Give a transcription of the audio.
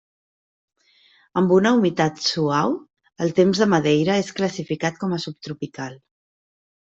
Amb una humitat suau, el temps de Madeira és classificat com a subtropical.